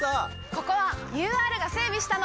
ここはＵＲが整備したの！